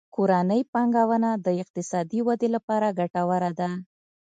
کورنۍ پانګونه د اقتصادي ودې لپاره ګټوره ده.